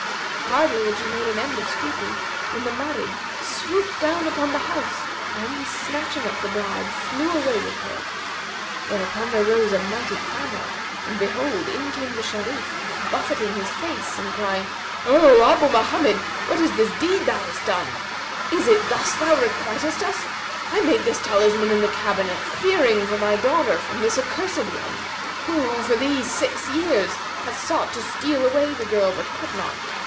Hardly had she made an end of speaking, when the Marid swooped down upon the house and, snatching up the bride, flew away with her; whereupon there arose a mighty clamour and behold, in came the Sharif, buffetting his face and crying, 'O Abu Mohammed, what is this deed thou hast done? Is it thus thou requiitest us? I made this talisman in the cabinet fearing for my daughter from this accursed one who, for these six years, hath sought to steal away the girl, but could not.